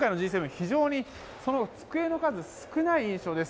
非常に机の数が少ない印象です。